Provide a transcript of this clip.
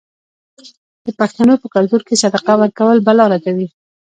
د پښتنو په کلتور کې صدقه ورکول بلا ردوي.